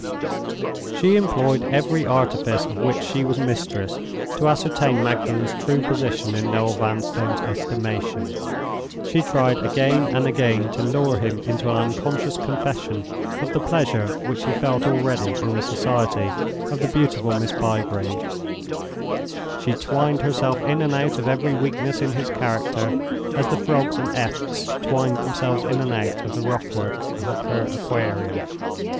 She employed every artifice of which she was mistress to ascertain Magdalen's true position in Noel Vanstone's estimation. She tried again and again to lure him into an unconscious confession of the pleasure which he felt already in the society of the beautiful Miss Bygrave; she twined herself in and out of every weakness in his character, as the frogs and efts twined themselves in and out of the rock work of her Aquarium.